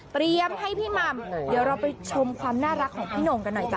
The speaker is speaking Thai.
ให้พี่หม่ำเดี๋ยวเราไปชมความน่ารักของพี่หน่งกันหน่อยจ้